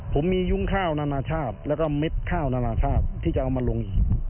ผมมียุ้งข้าวนานาชาติแล้วก็เม็ดข้าวนานาชาติที่จะเอามาลงอีก